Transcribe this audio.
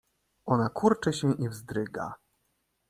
"Ona kurczy się i wzdryga."